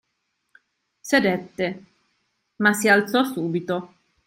Sedette, ma si alzò subito.